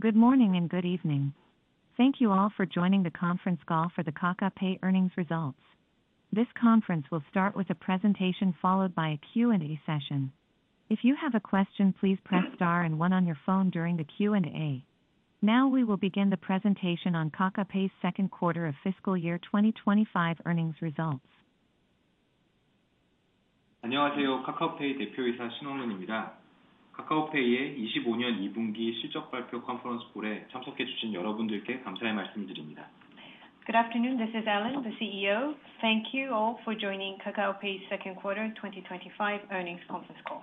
Good morning and good evening. Thank you all for joining the conference call for the KakaPay earnings results. This conference will start with a presentation followed by a Q and A session. Now we will begin the presentation on Kakapay's 2025 Earnings Results. Good afternoon. This is Ellen, the CEO. Thank you all for joining Kakaopay's second quarter twenty twenty five earnings conference call.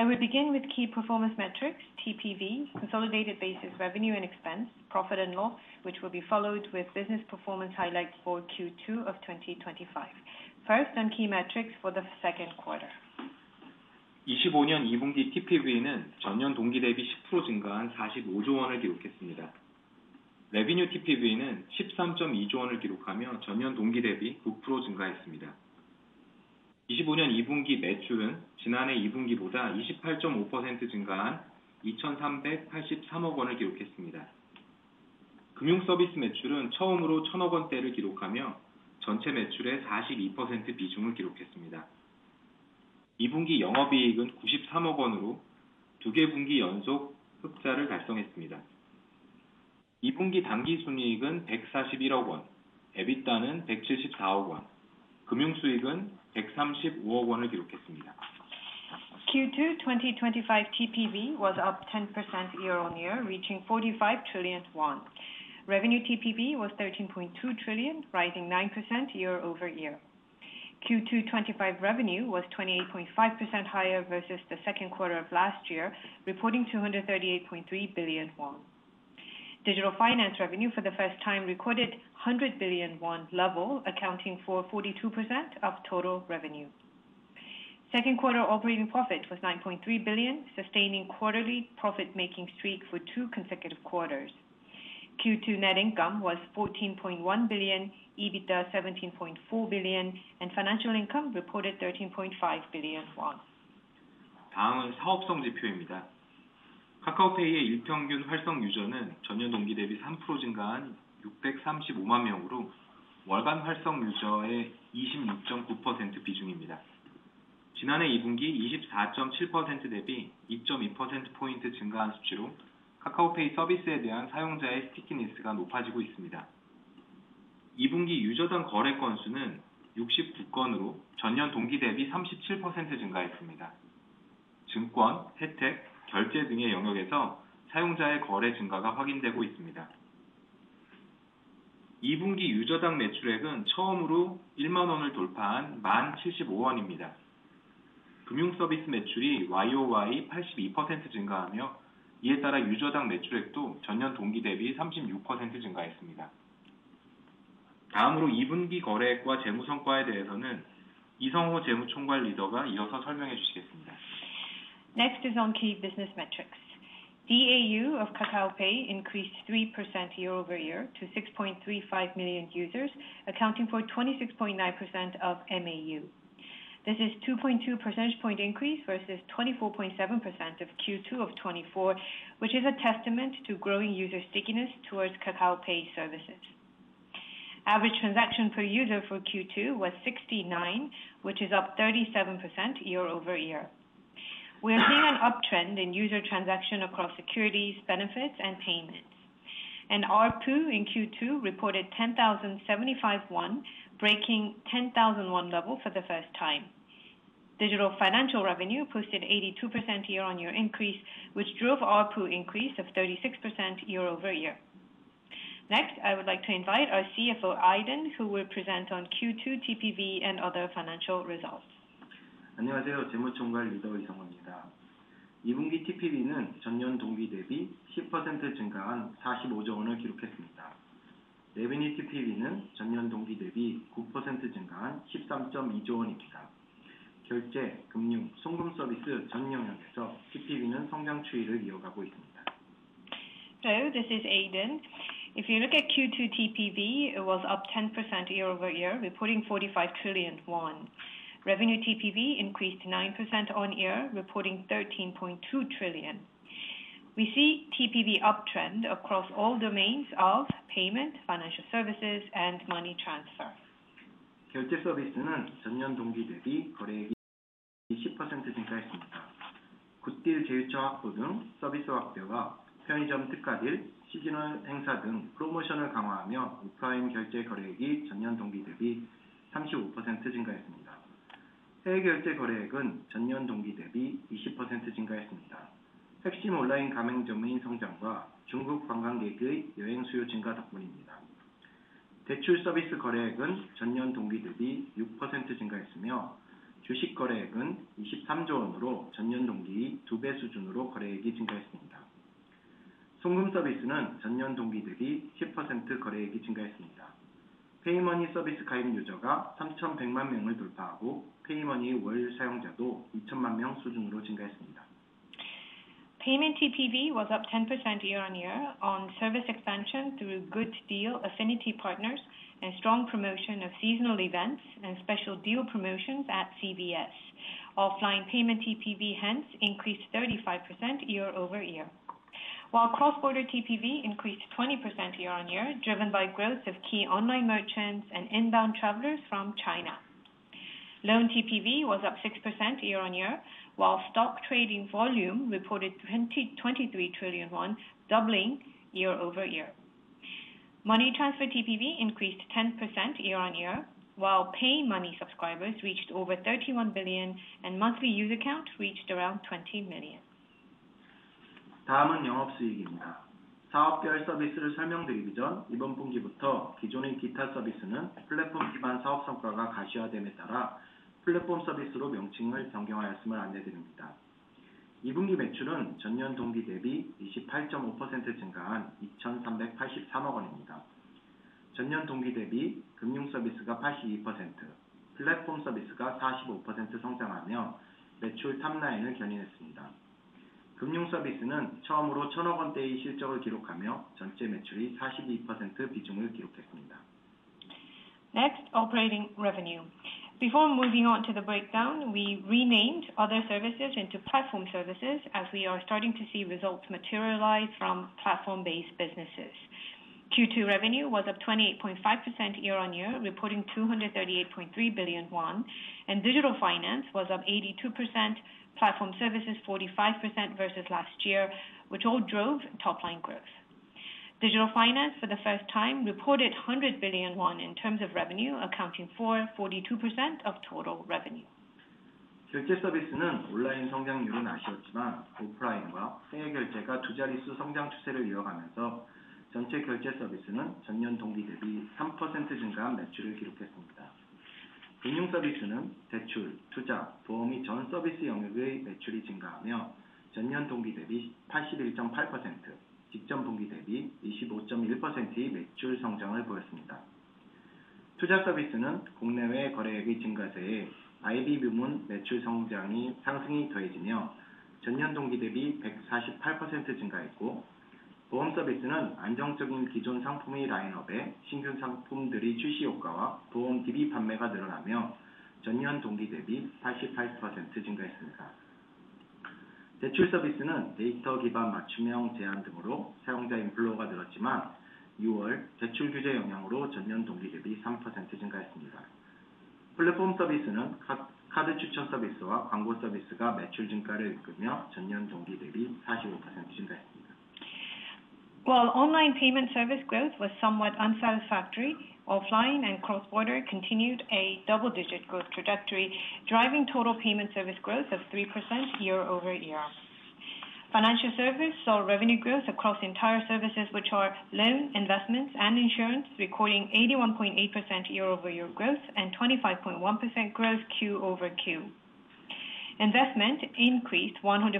I will begin with key performance metrics, TPV, consolidated basis revenue and expense, profit and loss, which will be followed with business performance highlights for 2025. First, on key metrics for the second quarter. Q2 twenty twenty five TPV was up 10% year on year, reaching 45,000,000,000,000 won. Revenue TPV was 13,200,000,000,000.0, rising 9% year over year. Q2 twenty twenty five revenue was 28.5 percent higher versus the second quarter of last year, reporting 238,300,000,000.0 won. Digital Finance revenue for the first time recorded 100 billion won level accounting for 42% of total revenue. Second quarter operating profit was 9.3 billion, sustaining quarterly profit making streak for two consecutive quarters. Q2 net income was KRW 14,100,000,000.0, EBITDA KRW 17,400,000,000.0 and financial income reported KRW Next is on key business metrics. DAU of Kakaopay increased 3% year over year to 6,350,000 users, accounting for 26.9% of MAU. This is 2.2 percentage point increase versus 24.7% of 2024, which is a testament to growing user stickiness towards Kakao Pay services. Average transaction per user for Q2 was 69, which is up 37% year over year. We are seeing an uptrend in user transaction across securities, benefits and payments. And ARPU in Q2 reported 10,075 won, breaking 10,001 level for the first time. Digital financial revenue posted 82% year on year increase, which drove ARPU increase of 36% year over year. Next, I would like to invite our CFO, Aiden, who will present on Q2 TPV and other financial results. Hello, this is Aiden. If you look at Q2 TPV, it was up 10% year over year, reporting 45,000,000,000,000 won. Revenue TPV increased 9% on year, reporting 13,200,000,000,000.0. We see TPV uptrend across all domains of payment, financial services and money transfer. Payment TPV was up 10% year on year on service expansion through good deal affinity partners and strong promotion of seasonal events and special deal promotions at CBS. Offline payment TPV hence increased 35% year over year. While cross border TPV increased 20% year on year, driven by growth of key online merchants and inbound travelers from China. Loan TPV was up 6% year on year, while stock trading volume reported 23 trillion won doubling year over year. Money Transfer TPV increased 10% year on year, while PayMoney subscribers reached over 31,000,000,000 and monthly user count reached around Next, operating revenue. Before moving on to the breakdown, we renamed Other Services into Platform Services as we are starting to see results materialize from platform based businesses. Q2 revenue was up 28.5% year on year, reporting 238,300,000,000.0 won and digital finance was up 82%, platform services 45% versus last year, which all drove top line growth. Digital finance for the first time reported KRW 100,000,000,000 in terms of revenue, accounting for 42% of total revenue. While online payment service growth was somewhat unsatisfactory, offline and cross border continued a double digit growth trajectory, driving total payment service growth of 3% year over year. Financial Services saw revenue growth across entire services, which are loan, investments and insurance recording 81.8% year over year growth and 25.1% growth Q over Q. Investment increased 148%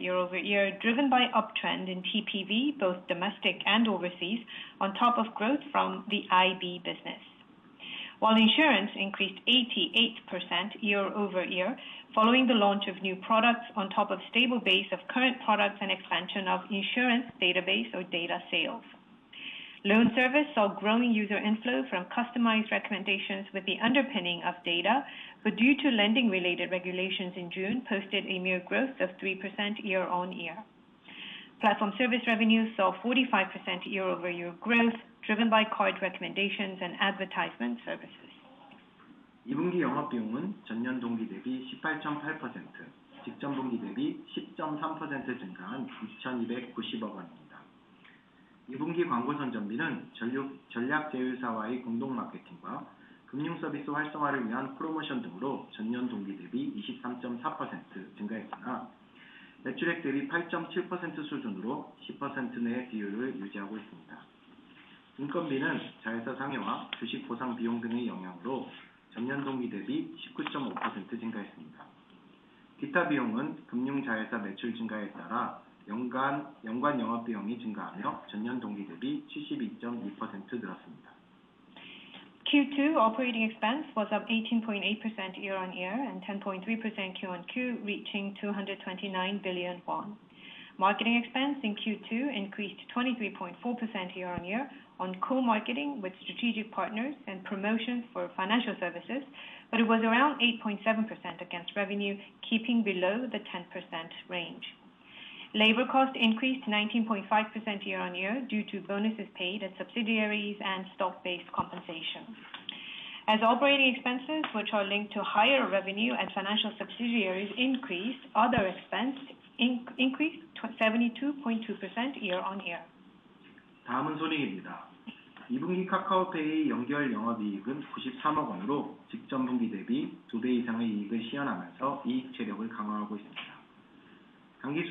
year over year driven by uptrend in TPV both domestic and overseas on top of growth from the IB business. While insurance increased 88% year over year following the launch of new products on top of stable base of current products and expansion of insurance database or data sales. Loan service saw growing user inflow from customized recommendations with the underpinning of data, but due to lending related regulations in June posted a mere growth of 3% year on year. Platform service revenue saw 45% year over year growth driven by card recommendations and advertisement services. Q2 operating expense was up 18.8% year on year and 10.3% Q on Q, reaching KRW $229,000,000,000. Marketing expense in Q2 increased 23.4% year on year on co marketing with strategic partners and promotions for financial services, but it was around 8.7% against revenue keeping below the 10% range. Labor cost increased 19.5% year on year due to bonuses paid subsidiaries and stock based compensation. As operating expenses, which are linked to higher revenue and financial subsidiaries increased, other expense increased 72.2% year on year. Next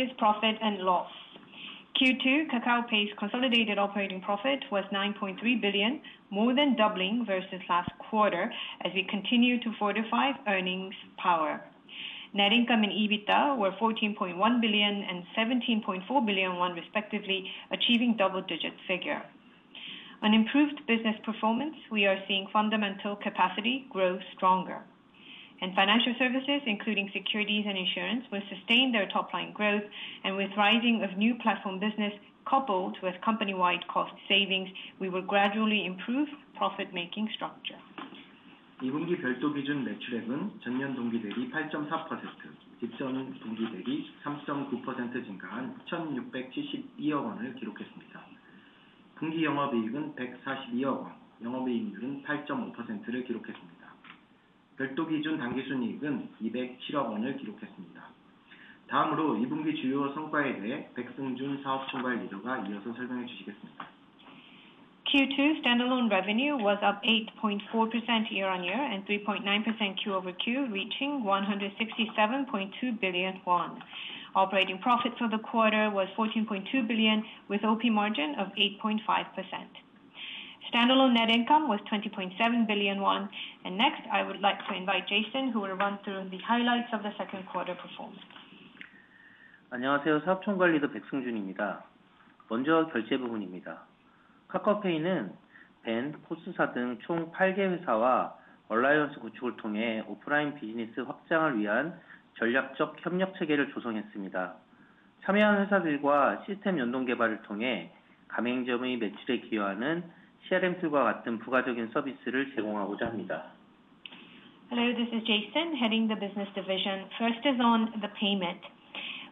is profit and loss. Q2 Kakao Pay's consolidated operating profit was billion, more than doubling versus last quarter as we continue to fortify earnings power. Net income and EBITDA were 14.1 billion and 17.4 billion won, respectively, achieving double digit figure. On improved business performance, we are seeing fundamental capacity grow stronger. And Financial Services, including Securities and Insurance, will sustain their top line growth and with rising of new platform business coupled with company wide cost savings, we will gradually improve profit making structure. Q2 stand alone revenue was up 8.4% year on year and 3.9% Q over Q, reaching 167.2 billion won. Operating profit for the quarter was 14.2 billion with OP margin of 8.5%. Stand alone net income was 20,700,000,000.0 won. And next, I would like to invite Jason, who will run through the highlights of the second quarter performance. Hello, this is Jason, heading the business division. First is on the payment.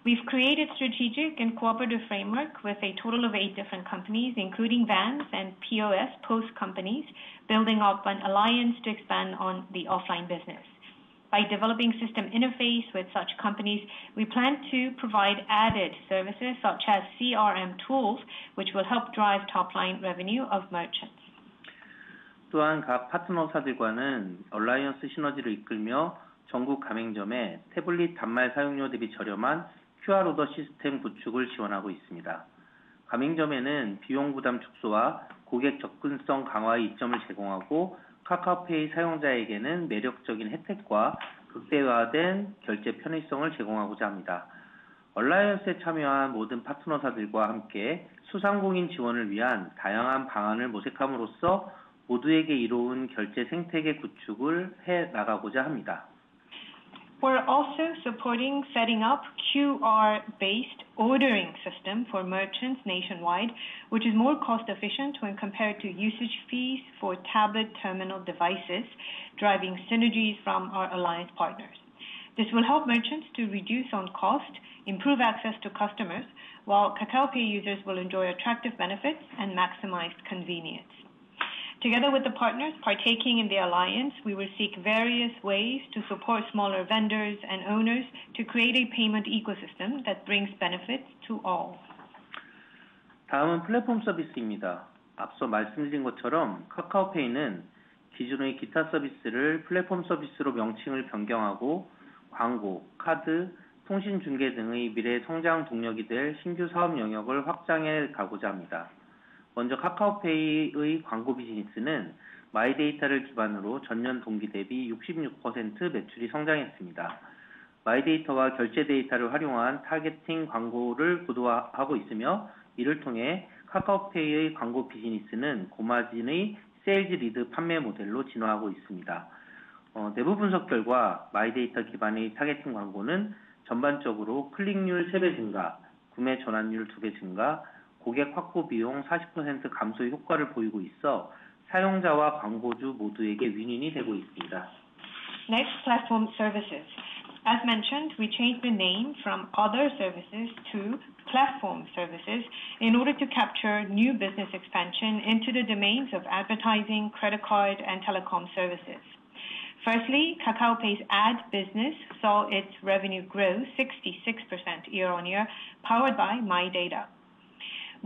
We've created strategic and cooperative framework with a total of eight different companies, including Vans and POS, post companies, building up an alliance to expand on the offline business. By developing system interface with such companies, we plan to provide added services such as CRM tools, which will help drive top line revenue of merchants. We're also supporting setting up QR based ordering system for merchants nationwide, which is more cost efficient when compared to usage fees for tablet terminal devices, driving synergies from our alliance partners. This will help merchants to reduce on cost, improve access to customers, while Cacao Pay users will enjoy attractive benefits and maximize convenience. Together with the partners partaking in the alliance, we will seek various ways to support smaller vendors and owners to create a payment ecosystem that brings benefits to all. Next, platform services. As mentioned, we changed the name from other services to platform services in order to capture new business expansion into the domains of advertising, credit card and telecom services. Firstly, Pay's ad business saw its revenue grow 66% year on year powered by MyData.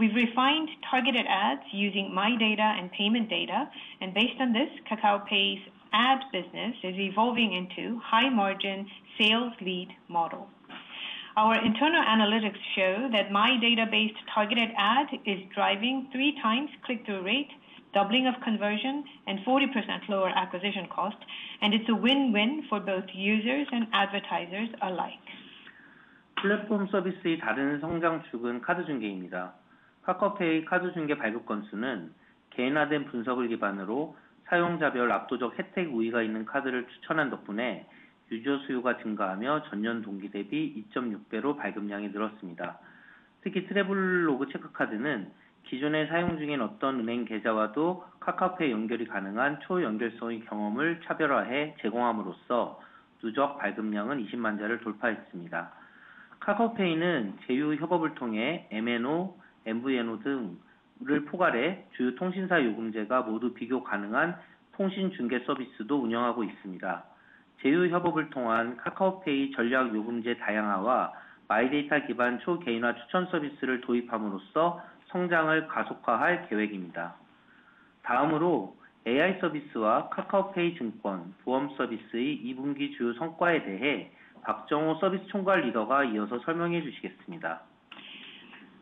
We've refined targeted ads using MyData and payment data and based on this, Kakao Pay's ad business is evolving into high margin sales lead model. Our internal analytics show that My Data based targeted ad is driving three times click through rate, doubling of conversion and 40% lower acquisition cost, and it's a win win for both users and advertisers alike.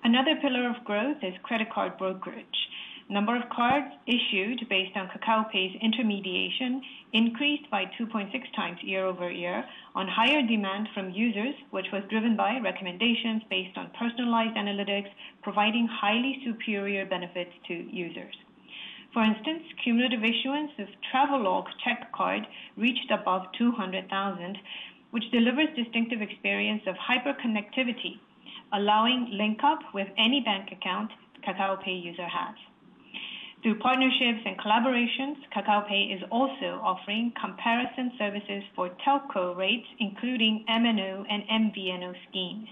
Another pillar of growth is credit card brokerage. Number of cards issued based on Kakao Pay's intermediation increased by 2.6 times year over year on higher demand from users, which was driven by recommendations based on personalized analytics providing highly superior benefits to users. For instance, cumulative issuance of Travelogue check card reached above $200,000 which delivers distinctive experience of hyperconnectivity, allowing link up with any bank account Kakaopay user has. Through partnerships and collaborations, Kakaopay is also offering comparison services for telco rates, including MNO and MVNO schemes.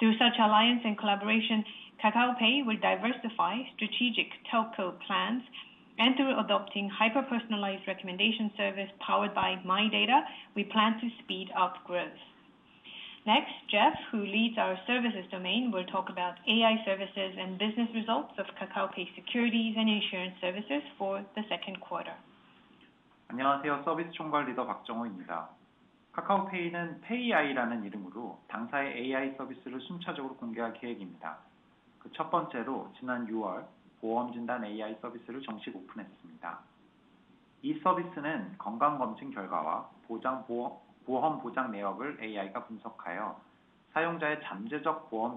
Through such alliance and collaboration, Kakaopay will diversify strategic telco plans and through adopting hyper personalized recommendation service powered by MyData, we plan to speed up growth. Next, Jeff, who leads our services domain, will talk about AI services and business results of KakaoPay Securities and Insurance Services for the second quarter.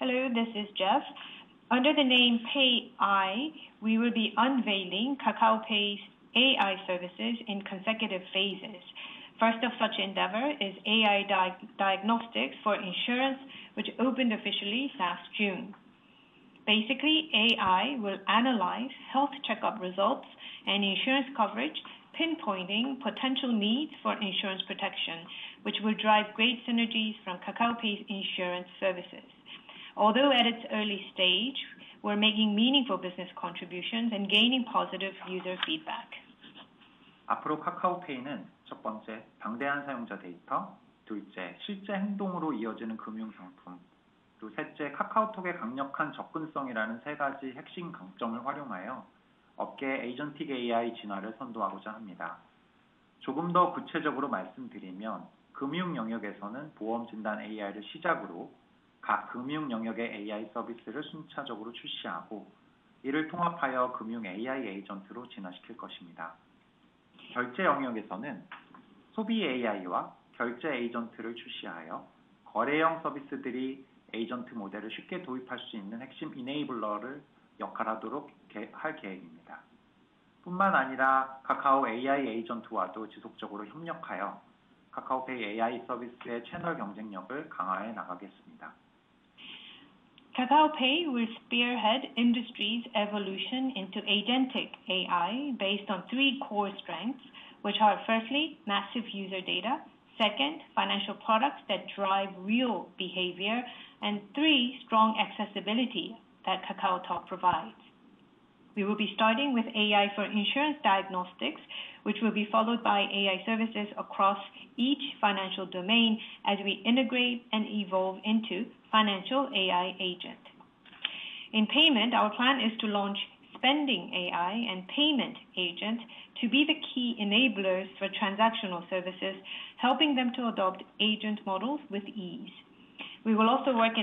Hello, this is Jeff. Under the name PayEye, we will be unveiling KakaoPay's AI services in consecutive phases. First of such endeavor is AI diagnostics for insurance, which opened officially last June. Basically, AI will analyze health checkup results and insurance coverage, pinpointing potential needs for insurance protection, which will drive great synergies from Kakao P's insurance services. Although at its early stage, we're making meaningful business contributions and gaining positive user feedback. KakaoTalk will spearhead industry's evolution into agentic AI based on three core strengths, which are firstly, massive user data second, financial products that drive real behavior and three, strong accessibility that KakaoTalk provides. We will be starting with AI for insurance diagnostics, which will be followed by AI services across each financial domain as we integrate and evolve into financial AI agent. In payment, our plan is to launch spending AI and payment agent to be the key enablers for transactional services, helping them to adopt agent models with ease. We will also work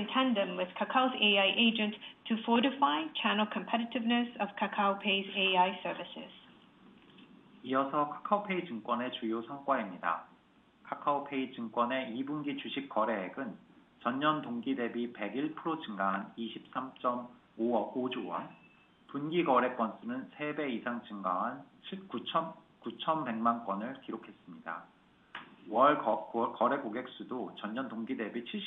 in tandem with Kakao's AI agent to fortify channel competitiveness of Kakao Pay's AI services. Next is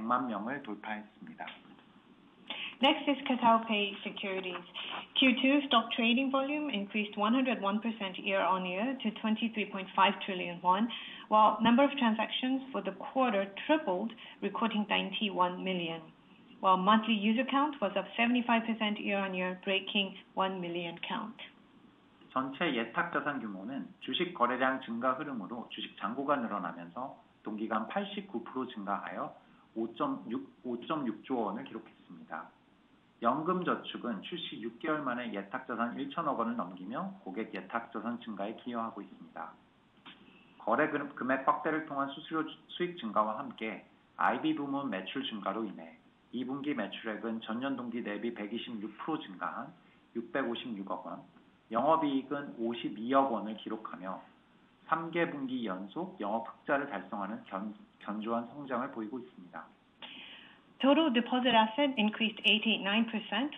KataoPay Securities. Q2 stock trading volume increased 101% year on year to 23,500,000,000,000.0 won, while number of transactions for the quarter tripled recording 91,000,000, while monthly user count was up 75% year on year breaking 1,000,000 count. Total deposit asset increased 89%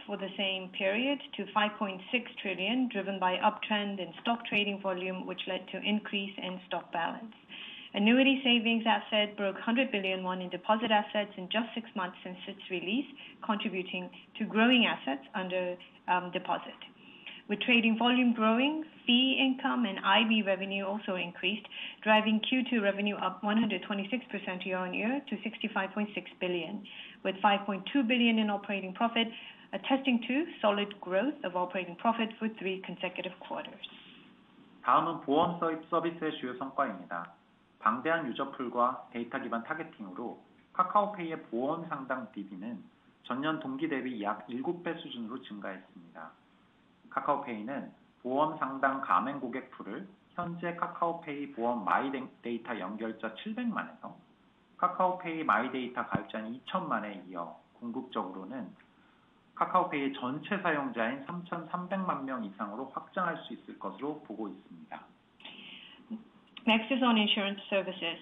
for the same period to 5,600,000,000,000.0 driven by uptrend in stock trading volume, which led to increase in stock balance. Annuity savings asset broke 100,000,000,000 won in deposit assets in just six months since its release contributing to growing assets under deposit. With trading volume growing, fee income and IB revenue also increased, driving Q2 revenue up 126% year on year to €65,600,000,000 with €5,200,000,000 in operating profit, attesting to solid growth of operating profit for three consecutive quarters. Next is on insurance services.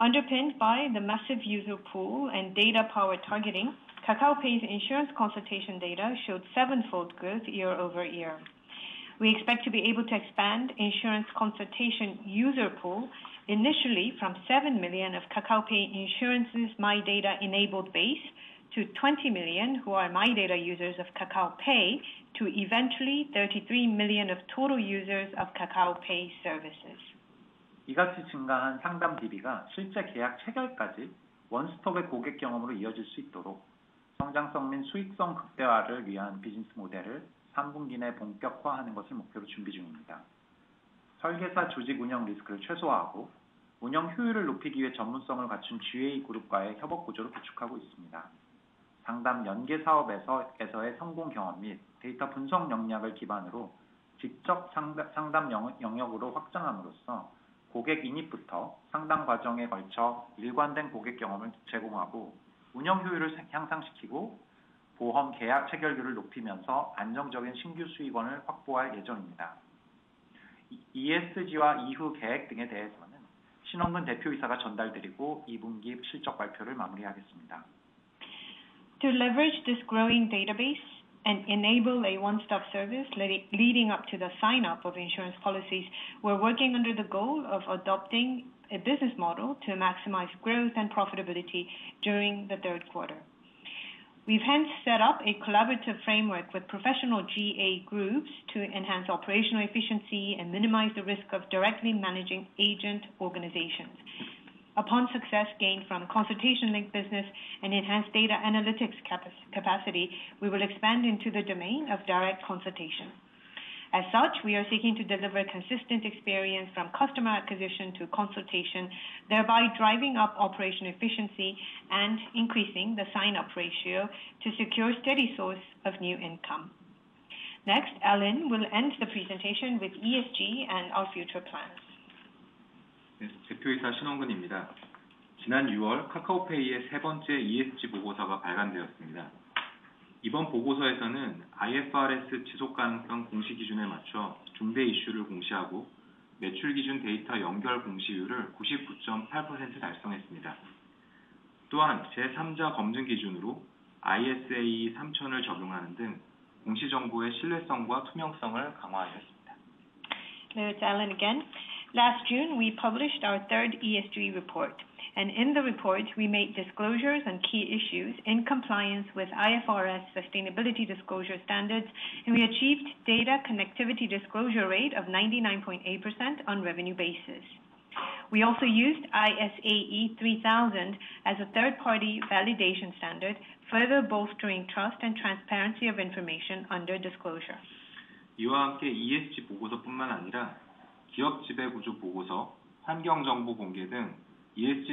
Underpinned by the massive user pool and data power targeting, Kakao Pay's insurance consultation data showed sevenfold growth year over year. We expect to be able to expand insurance consultation user pool initially from 7,000,000 of Kakao Pay Insurance's MyData enabled base to 20,000,000 who are MyData users of Kakao Pay to eventually 33,000,000 of total users of Kakao Pay services. To leverage this growing database and enable a one stop service leading up to the sign up of insurance policies, we're working under the goal of adopting a business model to maximize growth and profitability during the third quarter. We've hence set up a collaborative framework with professional GA groups to enhance operational efficiency and minimize the risk of directly managing agent organizations. Upon success gained from consultation linked business and enhanced data analytics capacity, we will expand into the domain of direct consultation. As such, we are seeking to deliver consistent experience from customer acquisition to consultation, thereby driving up operation efficiency and increasing the sign up ratio to secure steady source of new income. Next, Alan will end the presentation with ESG and our future plans. It's Alan again. Last June, we published our third ESG report. And in the report, we made disclosures on key issues in compliance with IFRS sustainability disclosure standards, and we achieved data connectivity disclosure rate of 99.8% on revenue basis. We also used ISAE 3,000 as a third party validation standard, further bolstering trust and transparency of information under disclosure. In addition to the ESG report, we also delivered wide ranging information to stakeholders through a variety of channels for ESG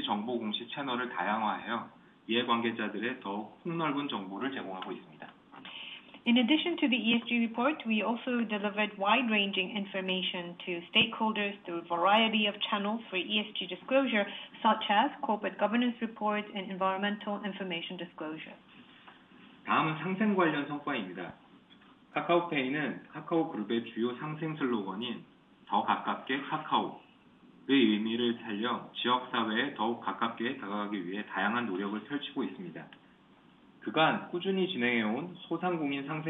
disclosure such as corporate governance reports and environmental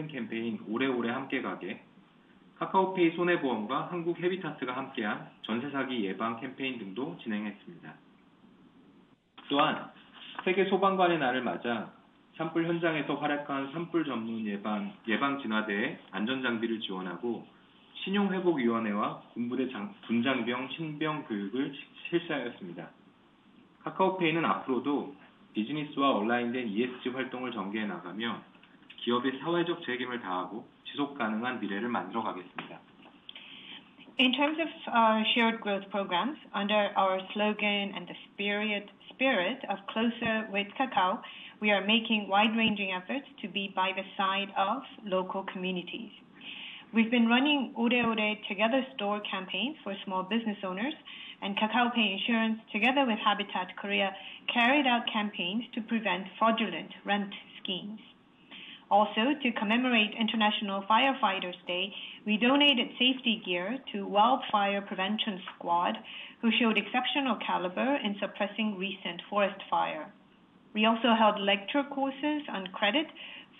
information disclosure. In terms of our shared growth programs, under our slogan and the spirit of closer with Kakao, we are making wide ranging efforts to be by the side of local communities. We've been running Ode Ode together store campaign for small business owners and Kakaopay Insurance together with Habitat Korea carried out campaigns to prevent fraudulent rent schemes. Also to commemorate International Firefighters Day, we donated safety gear to Wildfire Prevention Squad, who showed exceptional caliber in suppressing recent forest fire. We also held lecture courses on credit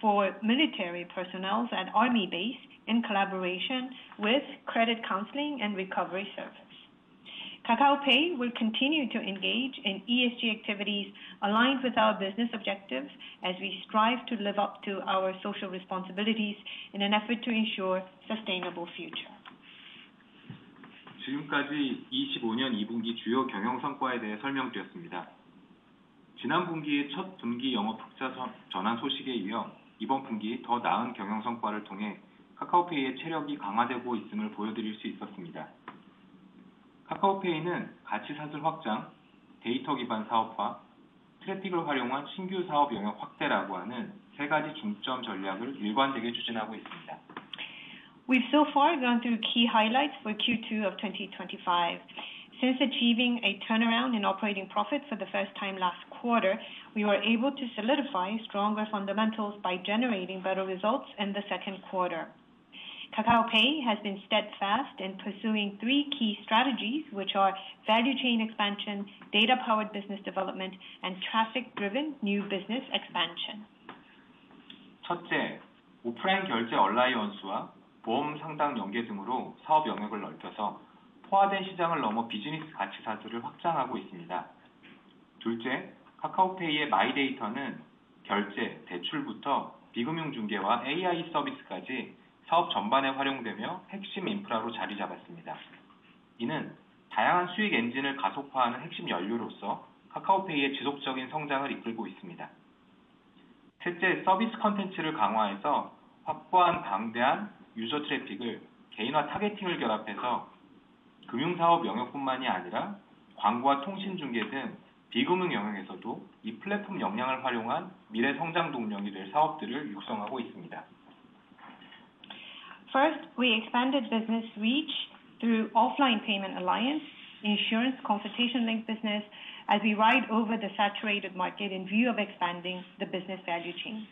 for military personnel at Army base in collaboration with credit counseling and recovery service. Kakaopay will continue to engage in ESG activities aligned with our business objectives as we strive to live up to our social responsibilities in an effort to ensure sustainable future. We've so far gone through key highlights for 2025. Since achieving a turnaround in operating profit for the first time last quarter, we were able to solidify stronger fundamentals by generating better results in the second quarter. Kakaopay has been steadfast in pursuing three key strategies, which are value chain expansion, data powered business development and traffic driven new business expansion. First, we expanded business reach through off line payment alliance, insurance consultation linked business as we ride over the saturated market in view of expanding the business value chain.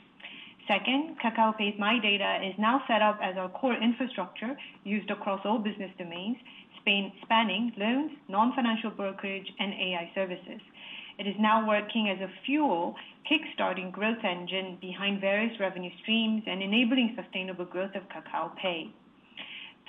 Second, Kakao Paid MyData is now set up as our core infrastructure used across all business domains, spanning loans, non financial brokerage and AI services. It is now working as a fuel kick starting growth engine behind various revenue streams and enabling sustainable growth of KakaoTay.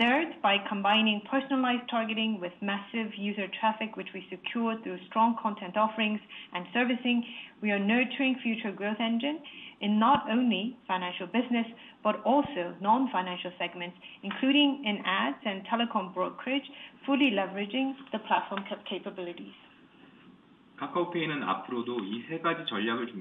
Third, by combining personalized targeting with massive user traffic, which we secured through strong content offerings and servicing, we are nurturing future growth engine in not only financial business, but also non financial segments, including in ads and telecom brokerage, fully leveraging the platform capabilities. Under these three strategic pillars, Kakaopay will generate both growth and profit to not fall short of market expectations. Thank you very much. The first question will be provided by Jungkook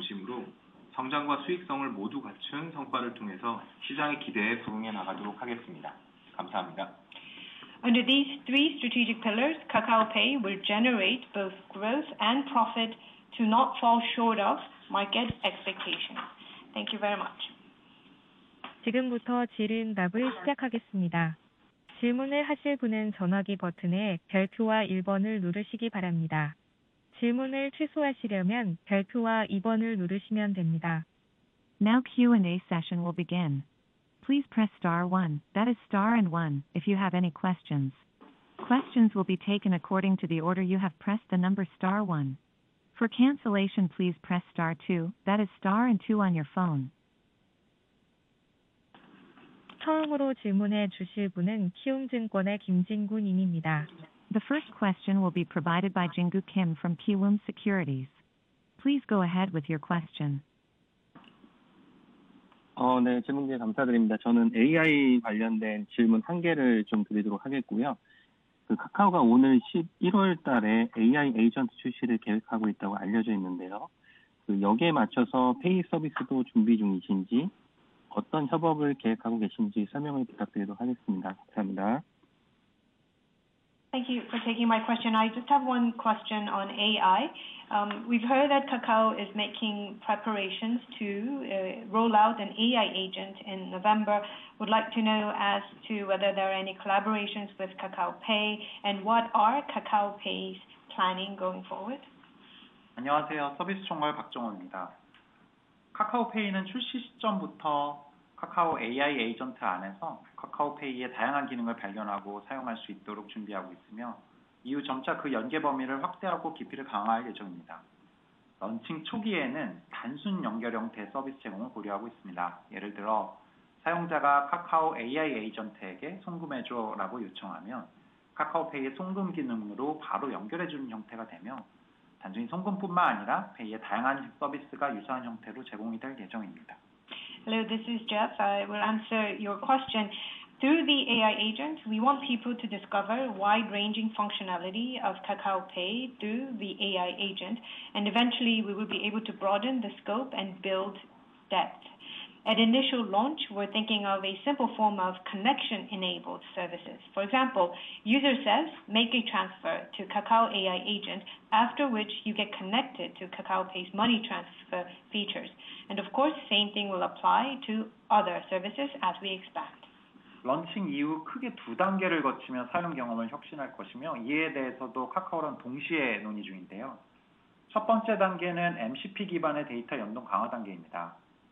Kim from Keywoon Securities. Please go ahead with your question. Thank you for taking my question. I just have one question on AI. We've heard that Kakao is making preparations to roll out an AI agent in November. Would like to know as to whether there are any collaborations with Kakao Pay? And what are Kakao Pay's planning going forward? Hello, this is Jeff. I will answer your question. Through the AI agent, we want people to discover wide ranging functionality of Kakao Pay through the AI agent. And eventually we will be able to broaden the scope and build that. At initial launch, we're thinking of a simple form of connection enabled services. For example, user says, make a transfer to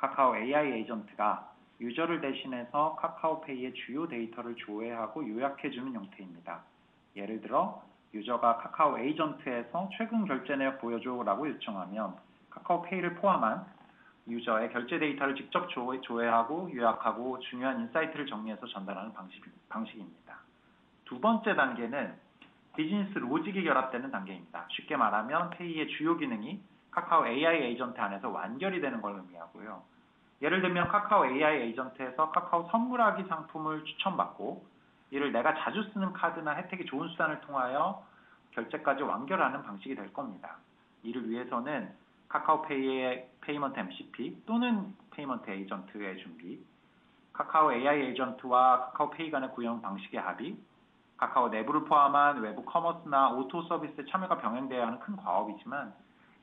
Kakao AI agent, after which you get connected to Kakao Pay's money transfer features. And of course, same thing will apply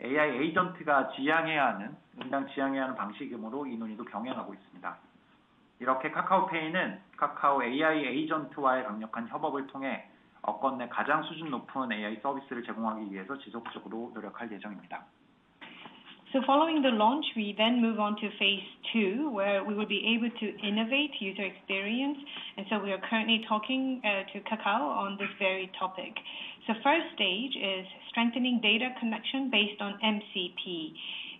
to other services as we expect. So following the launch, we then move on to Phase two, where we will be able to innovate user experience. And so we are currently talking to Kakao on this very topic. So first stage is strengthening data connection based on MCP.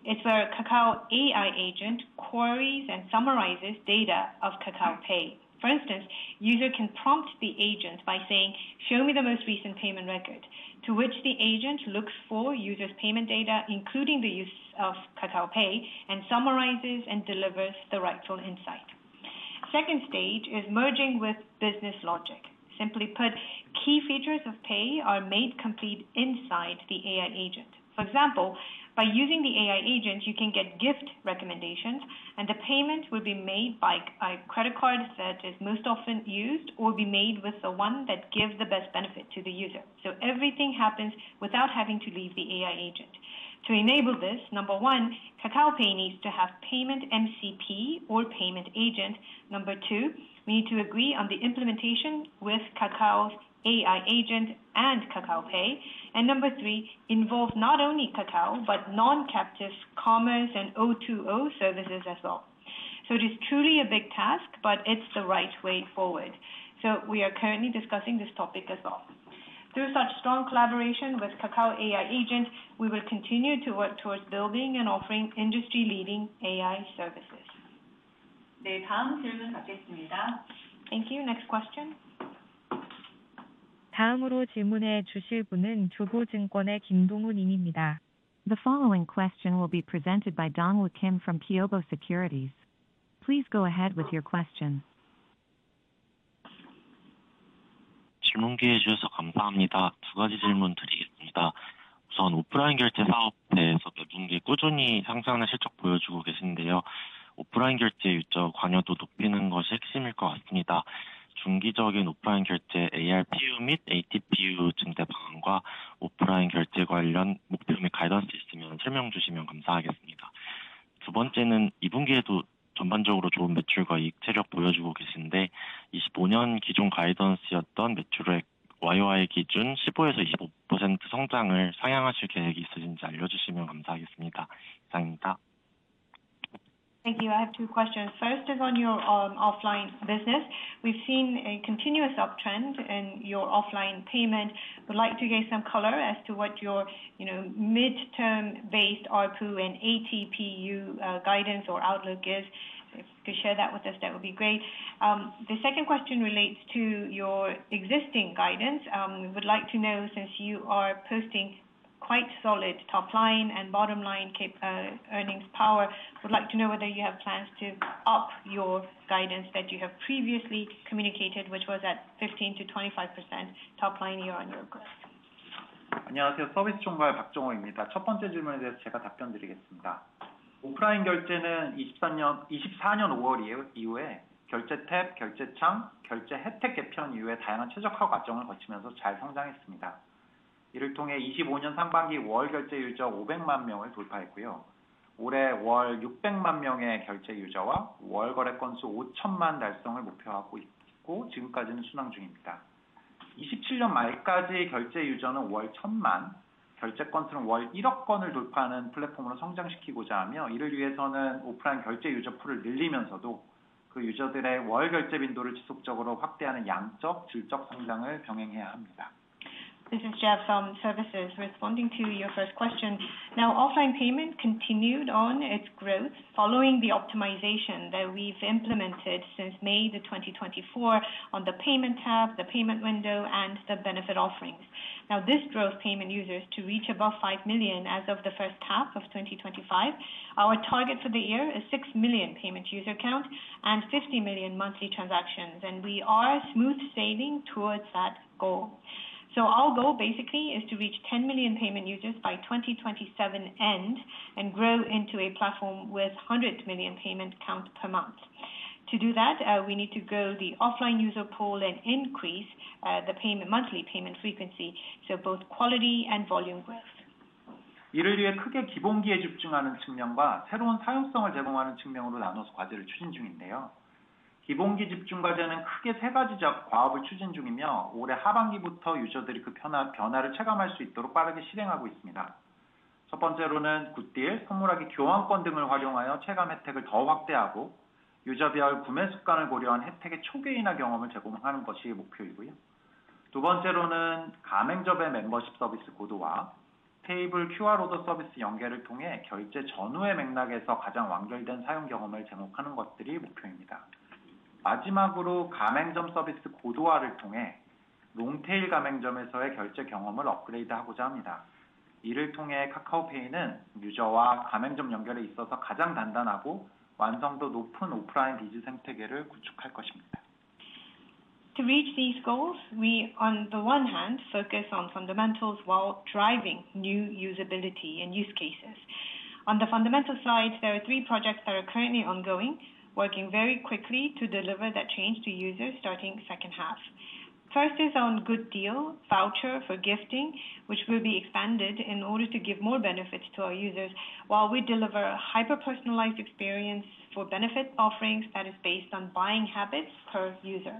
It's where KakaoTai agent queries and summarizes data of KakaoTai. For instance, user can prompt the agent by saying, show me the most recent payment record, to which the agent looks for user's payment data, including the use of Katao Pay and summarizes and delivers the rightful insight. Second stage is merging with business logic. Simply put, key features of Pay are made complete inside the AI agent. For example, by using the AI agent, you can get gift recommendations and the payment will be made by credit cards that is most often used or be made with the one that gives the best benefit to the user. So everything happens without having to leave the AI agent. To enable this, number one, Kakao Pay needs to have payment MCP or payment agent number two, we need to agree on the implementation with Kakao's AI agent and Kakao Pay and number three, involve not only Kakao, but non captive commerce and O2O services as well. So it is truly a big task, but it's the right way forward. So we are currently discussing this topic as well. Through such strong collaboration with Kakao AI agent, we will continue to work towards building and offering industry leading AI services. Thank you. Next question. The following question will be presented by Dongwoo Kim from Kyobo Securities. Please go ahead with your question. Thank you. I have two questions. First is on your offline business. We've seen a continuous uptrend in your offline payment. I would like to get some color as to what your midterm based ARPU and ATPU guidance or outlook gives. If you could share that with us, that would be great. The second question relates to your existing guidance. We would like to know since you are posting quite solid top line and bottom line earnings power, I would like to know whether you have plans to up your guidance that you have previously communicated, which was at 15% to 25% top line year on year growth. This is Jeff from Services responding to your first question. Now offline payment continued on its growth following the optimization that we've implemented since May 2024 on the payment tab, the payment window and the benefit offerings. Now this drove payment users to reach above 5,000,000 as of the 2025. Our target for the year is 6,000,000 payment user count and 50,000,000 monthly transactions, and we are smooth saving towards that goal. So our goal basically is to reach 10,000,000 payment users by 2027 end and grow into a platform with 100,000,000 payment counts per month. To do that, we need to grow the offline user pool and increase the monthly payment frequency, so both quality and volume growth. To reach these goals, we, on the one hand, focus on fundamentals while driving new usability and use cases. On the fundamental slides, there are three projects that are currently ongoing, working very quickly to deliver that change to users starting second half. First is on good deal voucher for gifting, which will be expanded in order to give more benefits to our users, while we deliver a hyper personalized experience for benefit offerings that is based on buying habits per user.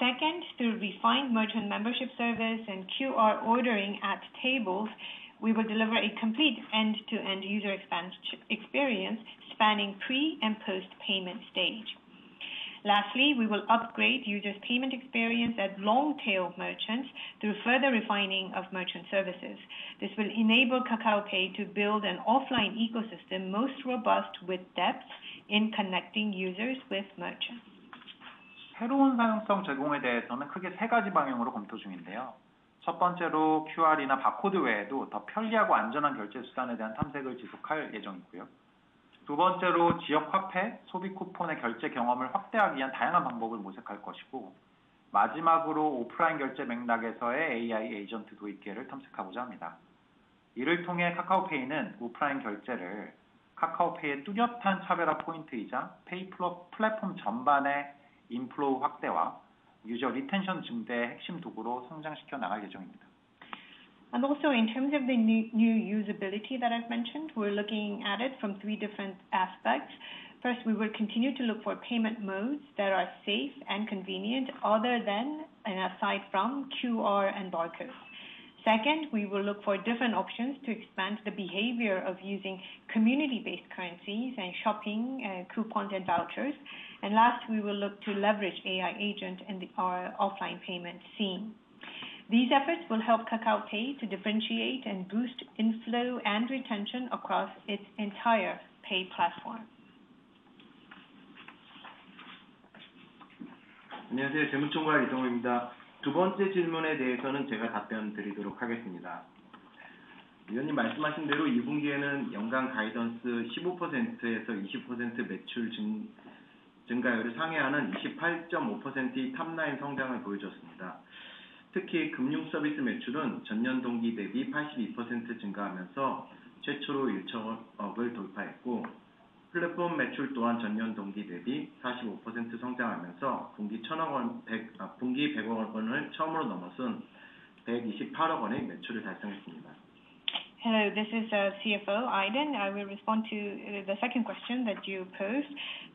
Second, through refined merchant membership service and QR ordering at tables, we will deliver a complete end to end user experience spanning pre and post payment stage. Lastly, we will upgrade users' payment experience at long tail merchants through further refining of merchant services. This will enable Kakaopay to build an offline ecosystem most robust with depth in connecting users with merchants. And also in terms of the new usability that I've mentioned, we're looking at it from three different aspects. First, we will continue to look for payment modes that are safe and convenient other than and aside from QR and barcode. Second, we will look for different options to expand the behavior of using community based currencies and shopping, coupon and vouchers. And last, we will look to leverage AI agent in our offline payment scheme. These efforts will help Kakao Pay to differentiate and boost inflow and retention across its entire paid platform. Hello, this is CFO, Aiden. I will respond to the second question that you posed.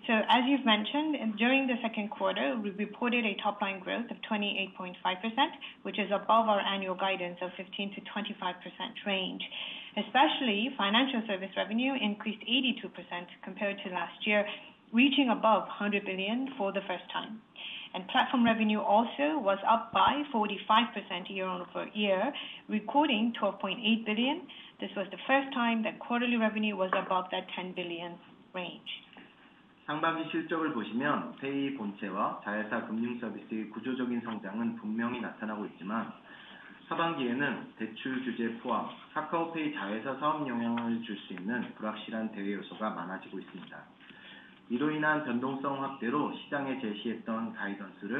So as you've mentioned, during the second quarter, we reported a top line growth of 28.5, which is above our annual guidance of 15% to 25% range. Especially, Financial Service revenue increased 82% compared to last year, reaching above $100,000,000,000 for the first time. And Platform revenue also was up by 45% year on year, recording 12,800,000,000.0. This was the first time that quarterly revenue was above that KRW 10,000,000,000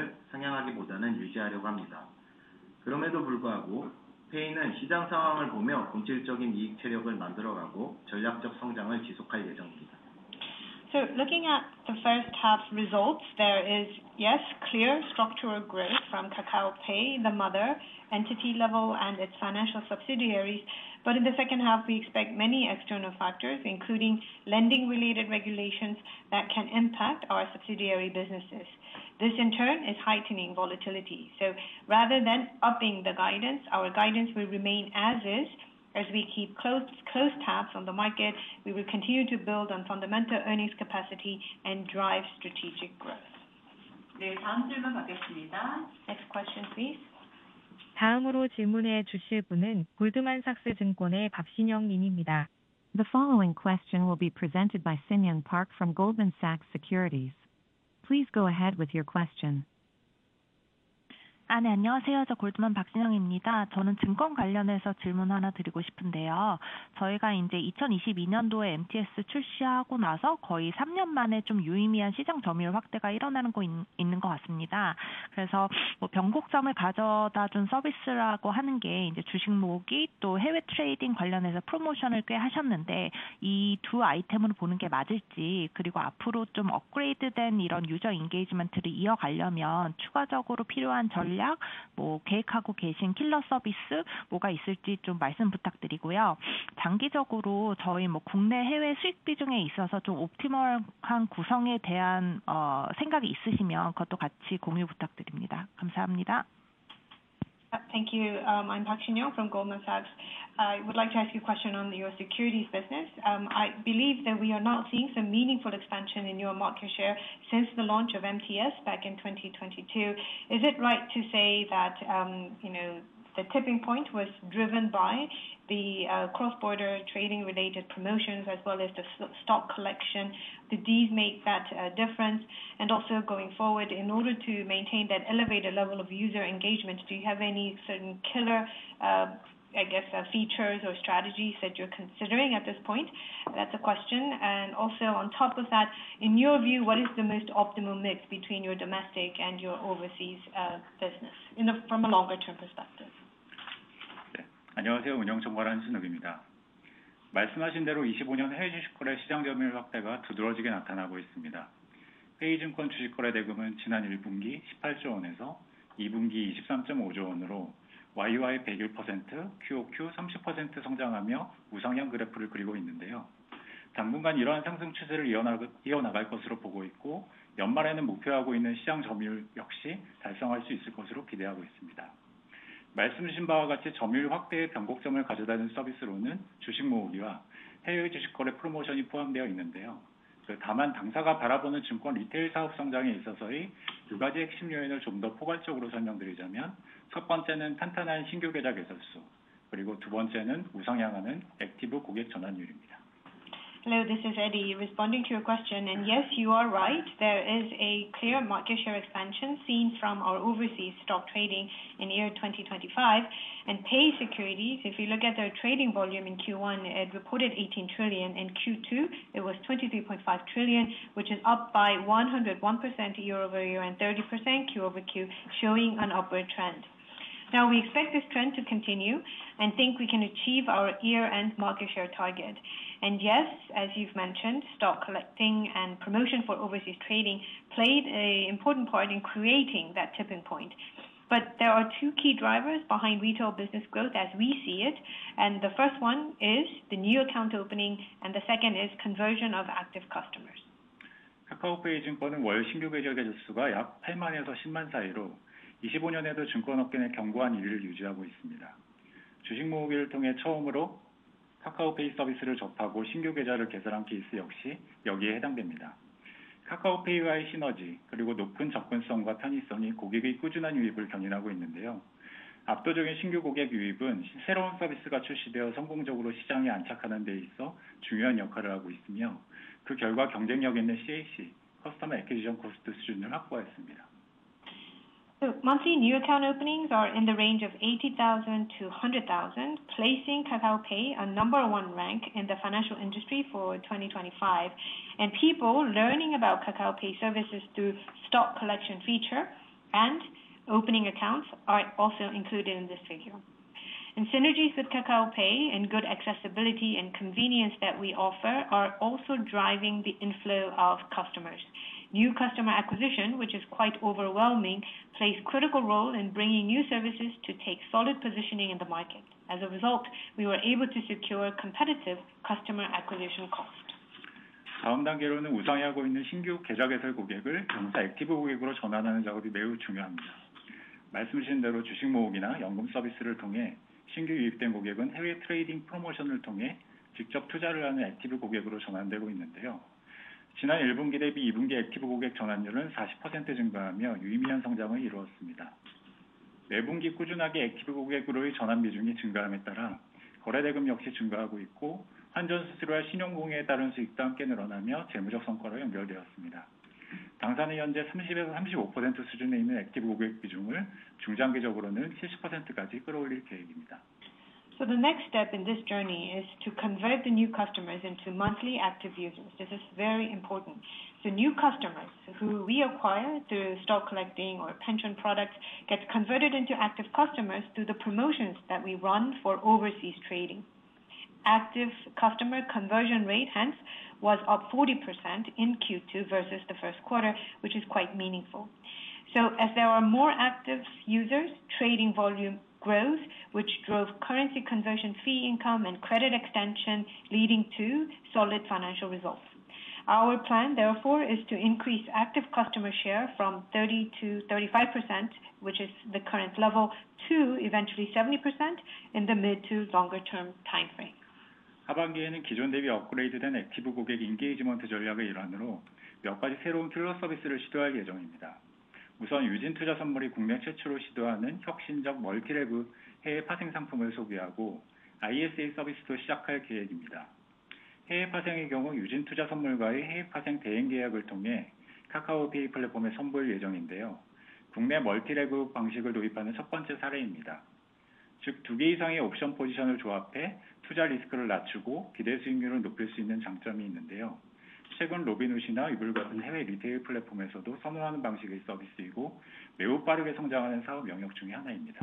range. So looking at the first half results, there is, yes, clear structural growth from Kakaopay, the mother entity level and its financial subsidiaries. But in the second half, we expect many external factors, including lending related regulations that can impact our subsidiary businesses. This, in turn, is heightening volatility. So rather than upping the guidance, our guidance will remain as is as we keep close tabs on the market, we will continue to build on fundamental earnings capacity and drive strategic growth. Next question, please. The following question will be presented by Sin Young Park from Goldman Sachs Securities. Please go ahead with your question. Thank you. I'm Park Shin Young from Goldman Sachs. I would like to ask you a question on your securities business. I believe that we are not seeing some meaningful expansion in your market share since the launch of MTS back in 2022. Is it right to say that the tipping point was driven by the cross border trading related promotions as well as the stock collection? Did these make that difference? And also going forward, in order to maintain that elevated level of user engagement, do you have any certain killer, I guess, features or strategies that you're considering at this point? That's the question. And also on top of that, in your view, what is the most optimal mix between your domestic and your overseas business from a longer term perspective? Hello, this is Eddie responding to your question. And yes, you are right. There is a clear market share expansion seen from our overseas stock trading in 2025. And paid securities, if you look at their trading volume in Q1, reported $18,000,000,000,000 In Q2, it was $23,500,000,000,000 which is up by 101% year over year and 30% Q over Q, showing an upward trend. Now we expect this trend to continue and think we can achieve our year end market share target. And yes, as you've mentioned, stock collecting and promotion for overseas trading played an important part in creating that tipping point. But there are two key drivers behind retail business growth as we see it. And the first one is the new account opening and the second is conversion of active customers. So monthly new account openings are in the range of 80,000 to 100,000, placing Kakao Pay a number one rank in the financial industry for 2025. And people learning about Kakao Pay services through stock collection feature and opening accounts are also included in this figure. And synergies with Kakaopay and good accessibility and convenience that we offer are also driving the inflow of customers. New customer acquisition, which is quite overwhelming, plays critical role in bringing new services to take solid positioning in the market. As a result, we were able to secure competitive customer acquisition cost. So the next step in this journey is to convert the new customers into monthly active users. This is very important. The new customers who we acquire through stock collecting or pension products gets converted into active customers through the promotions that we run for overseas trading. Active customer conversion rate hence was up 40% in Q2 versus the first quarter, which is quite meaningful. So as there are more active users, trading volume grows, which drove currency conversion fee income and credit extension leading to solid financial results. Our plan therefore is to increase active customer share from 30% to 35%, which is the current level, to eventually 70% in the mid- to longer term time frame.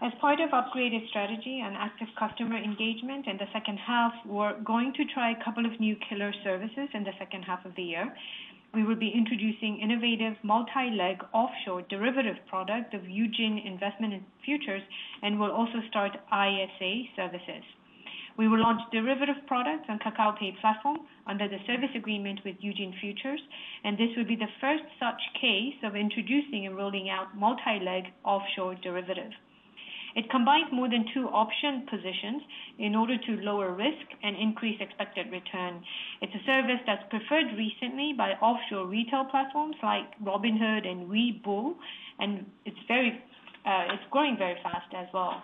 As part of upgraded strategy and active customer engagement in the second half, we're going to try a couple of new killer services in the second half of the year. We will be introducing innovative multi leg offshore derivative product of Eugene Investment and Futures and we'll also start ISA services. We will launch derivative products on KakaoPay platform under the service agreement with Eugene Futures, and this would be the first such case of introducing and rolling out multi leg offshore derivative. It combines more than two option positions in order to lower risk and increase expected return. It's a service that's preferred recently by offshore retail platforms like Robinhood and Weibo, and it's very it's growing very fast as well.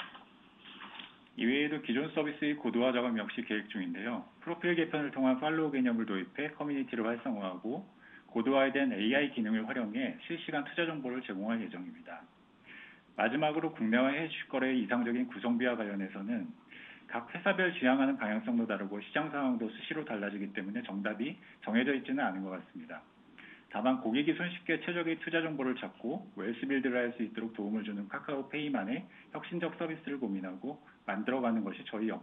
We're also working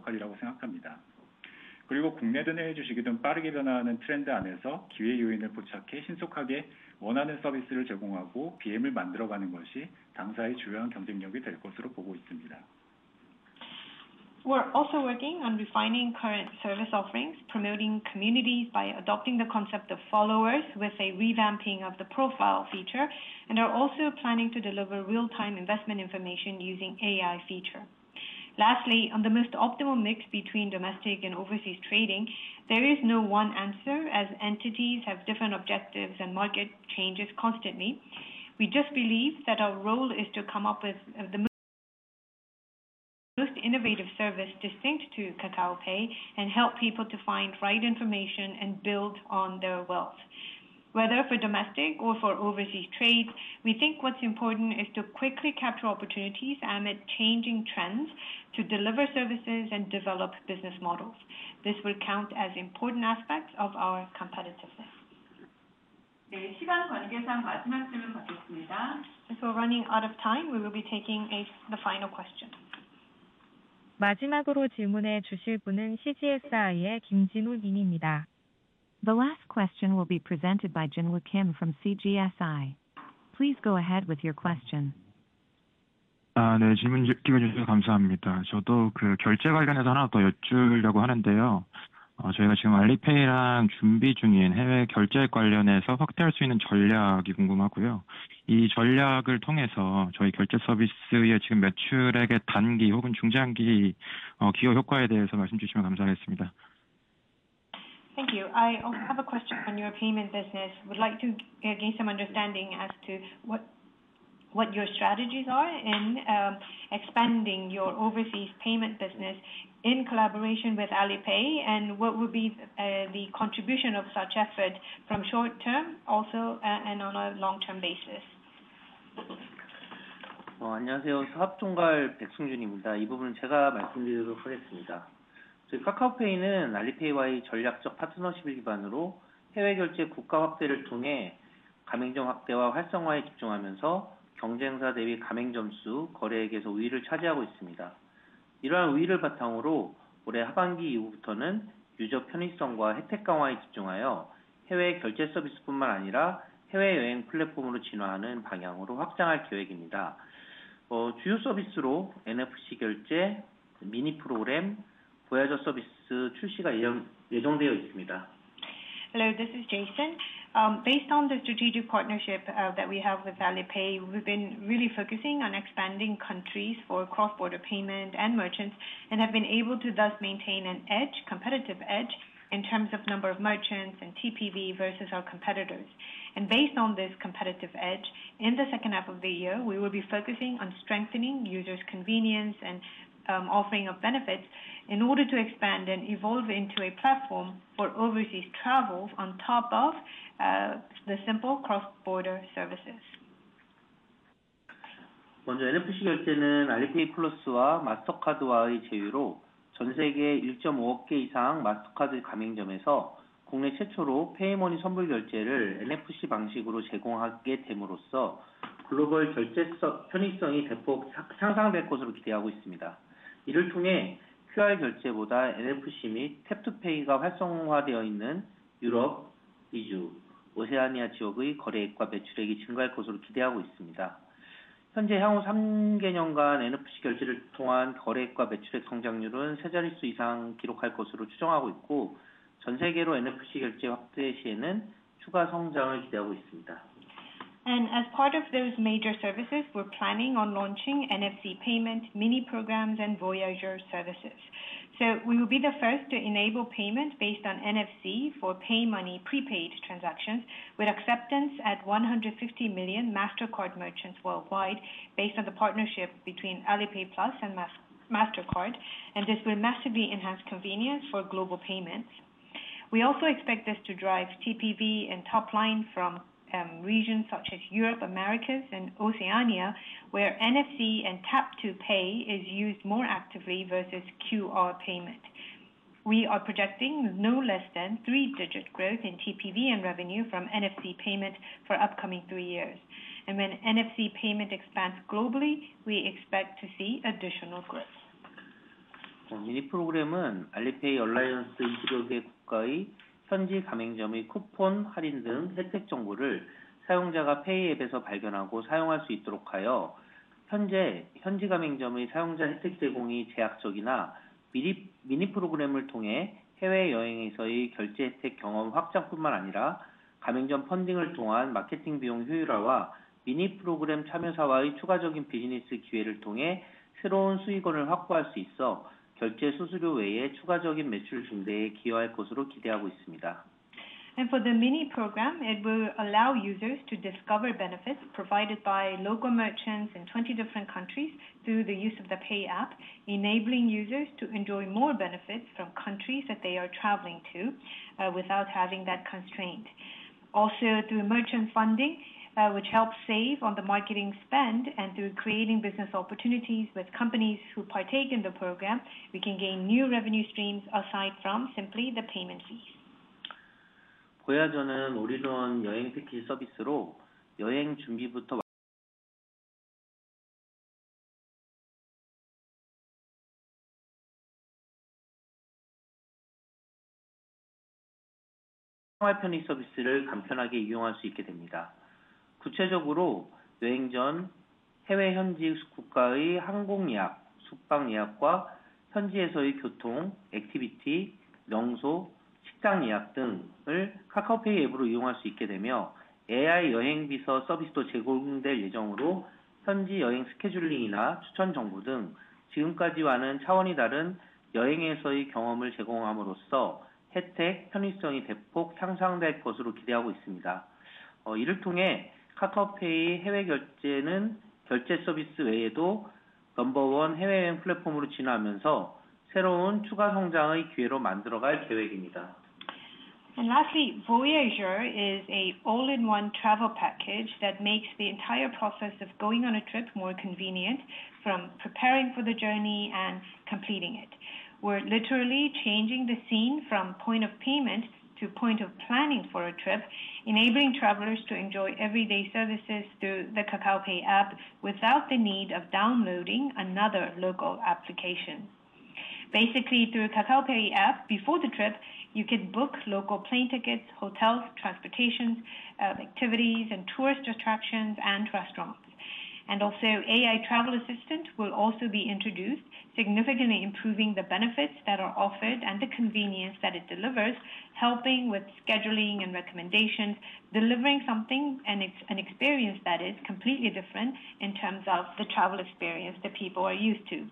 on refining current service offerings, promoting communities by adopting the concept of followers with a revamping of the profile feature and are also planning to deliver real time investment information using AI feature. Lastly, on the most optimal mix between domestic and overseas trading, there is no one answer as entities have different objectives and market changes constantly. We just believe that our role is to come up with the most innovative service distinct to Cacao Pay and help people to find right information and build on their wealth. Whether for domestic or for overseas trade, we think what's important is to quickly capture opportunities amid changing trends to deliver services and develop business models. This will count as important aspects of our competitiveness. So we're running out of time. We will be taking the final question. The last question will be presented by Joonwoo Kim from CGSI. Please go ahead with your question. Thank you. I have a question on your payment business. Would like to gain some understanding as to what your strategies are in expanding your overseas payment business in collaboration with Alipay? And what would be the contribution of such effort from short term also and on a long term basis? Hello, this is Jason. Based on the strategic partnership that we have with Alipay, we've been really focusing on expanding countries for cross border payment and merchants and have been able to thus maintain an edge competitive edge in terms of number of merchants and TPV versus our competitors. And based on this competitive edge, in the second half of the year, we will be focusing on strengthening users' convenience and offering of benefits in order to expand and evolve into a platform for overseas travel on top of the simple cross border services. And as part of those major services, we're planning on launching NFC payment, mini programs and Voyager services. So we will be the first to enable payments based on NFC for pay money prepaid transactions with acceptance at 150,000,000 Mastercard merchants worldwide based on the partnership between Alipay Plus and Mastercard and this will massively enhance convenience for global payments. We also expect this to drive TPV and top line from regions such as Europe, Americas and Oceania, where NFC and tap to pay is used more actively versus QR payment. We are projecting no less than three digit growth in TPV and revenue from NFC payment for upcoming three years. And when NFC payment expands globally, we expect to see additional growth. And for the Mini Program, it will allow users to discover benefits provided by local merchants in 20 different countries through the use of the Pay app, enabling users to enjoy more benefits from countries that they are traveling to without having that constraint. Also through merchant funding, which helps save on the marketing spend and through creating business opportunities with companies who partake in the program, we can gain new revenue streams aside from simply the payment fees. And lastly, Voyager is a all in one travel package that makes the entire process of going on a trip more convenient from preparing for the journey and completing it. We're literally changing the scene from point of payment to point of planning for a trip, enabling travelers to enjoy everyday services through the Kakao Pay app without the need of downloading another local application. Basically, through Kakao Pay app, before the trip, you can book local plane tickets, hotels, transportation, activities and tourist attractions and restaurants. And also AI Travel Assistant will also be introduced, significantly improving the benefits that are offered and the convenience that it delivers, helping with scheduling and recommendations, delivering something and it's an experience that is completely different in terms of the travel experience that people are used to.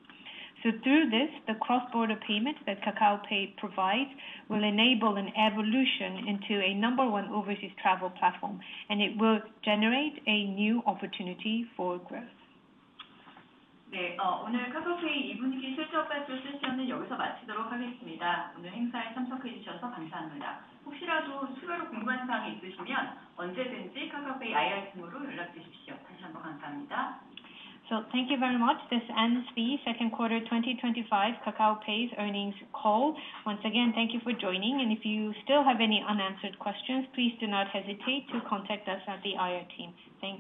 So through this, the cross border payment that Kakaopay provides will enable an evolution into a number one overseas travel platform, and it will generate a new opportunity for growth. So thank you very much. This ends the second quarter twenty twenty five Kakao Pay's earnings call. Once again, thank you for joining. And if you still have any unanswered questions, please do not hesitate to contact us at the IR team. Thank